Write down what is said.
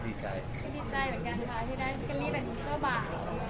ดีใจเหมือนกันค่ะที่ได้คลิปแบบโทษเจ้าบ้าน